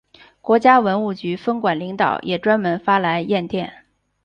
国家文物局分管领导也专门发来唁电。